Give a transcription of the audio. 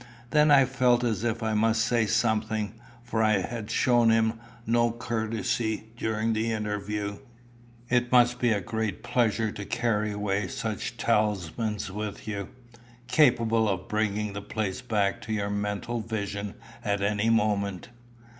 Then I felt as if I must say something, for I had shown him no courtesy during the interview. "It must be a great pleasure to carry away such talismans with you capable of bringing the place back to your mental vision at any moment."